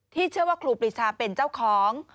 เชื่อว่าครูปรีชาเป็นเจ้าของ